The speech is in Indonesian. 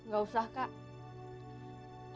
gak usah kak